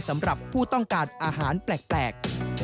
สำหรับผู้ต้องการอาหารแปลก